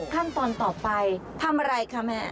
ขั้นตอนต่อไปทำอะไรคะแม่